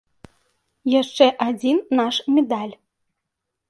Яшчэ адзін наш медаль!